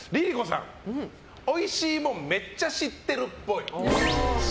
さんおいしいもんめっちゃ知ってるっぽい。